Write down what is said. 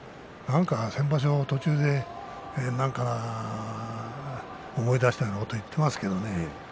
先場所、途中で何か思い出したようなことを言っていますけれど。